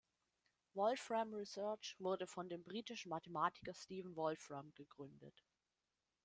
Wolfram Research wurde von dem britischen Mathematiker Stephen Wolfram gegründet.